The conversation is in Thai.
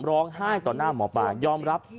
ร้องฮ่ายต่อหน้าหมอปลายอ้อมรับ